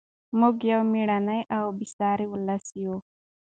موږ یو مېړنی او بې ساري ولس یو.